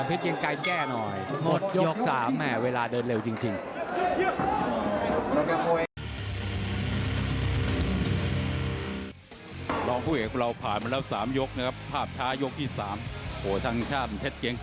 พี่เกงไขแก้หน่อย